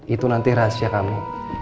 itu nanti rahasia kami